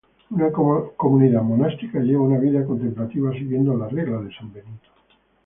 La comunidad monástica lleva una vida contemplativa siguiendo la regla de san Benito.